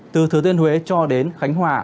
từ thừa tiên huế cho đến khánh hòa